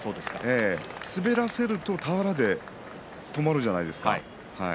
滑らせると俵で止まるじゃないですか。